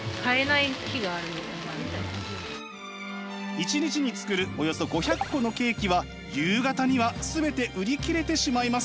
一日に作るおよそ５００個のケーキは夕方には全て売り切れてしまいます。